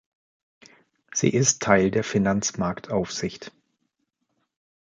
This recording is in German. Sie ist Teil der Finanzmarktaufsicht.